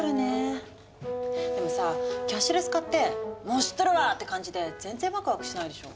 でもさキャッシュレス化って「もう知っとるわ！」って感じで全然ワクワクしないでしょ。